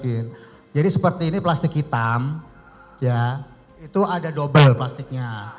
jadi saya perhatikan jadi seperti ini plastik hitam ya itu ada dobel plastiknya